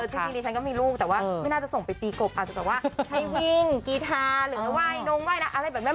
จริงดิฉันก็มีลูกแต่ว่าไม่น่าจะส่งไปตีกบอาจจะแบบว่าให้วิ่งกีทาหรือไหว้นงไหว้อะไรแบบนี้